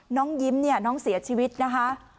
น้องยิ้มเนี่ยน้องเสียชีวิตนะคะ